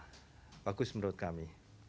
ini sangat sangat bagus menurut kami